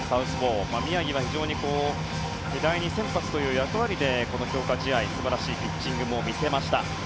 宮城は第２先発という役割でこの強化試合で素晴らしいピッチングを見せました。